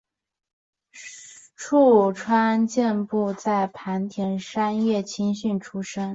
牲川步见在磐田山叶青训出身。